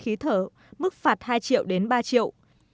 khí thở mức phạt hai triệu đến ba triệu